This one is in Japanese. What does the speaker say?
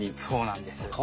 そうなんです。